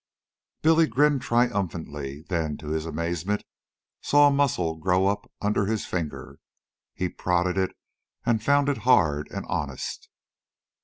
Billy grinned triumphantly, then, to his amazement, saw a muscle grow up under his finger. He prodded it, and found it hard and honest.